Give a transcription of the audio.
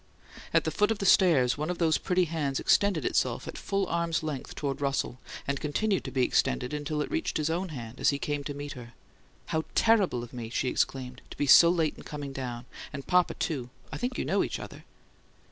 At the foot of the stairs, one of those pretty hands extended itself at full arm's length toward Russell, and continued to be extended until it reached his own hand as he came to meet her. "How terrible of me!" she exclaimed. "To be so late coming down! And papa, too I think you know each other."